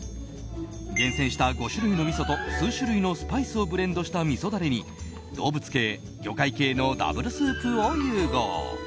厳選した５種類のみそと数種類のスパイスをブレンドしたみそダレに動物系、魚介系のダブルスープを融合。